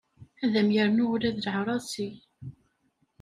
Ad am-yernu ula d leɛrasi.